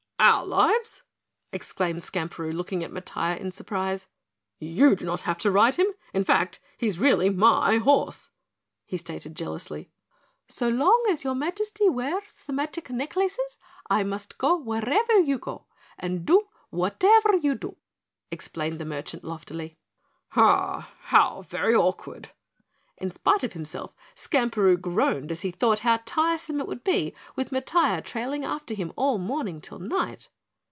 "OUR lives!" exclaimed Skamperoo, looking at Matiah in surprise. "You do not have to ride him; in fact, he's really my horse," he stated jealously. "So long as your Majesty wears the magic necklaces I must go wherever you go and do whatever you do!" explained the merchant loftily. "How how very awkward!" In spite of himself, Skamperoo groaned as he thought how tiresome it would be with Matiah trailing after him from morning till night.